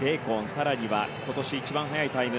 更には今年一番速いタイム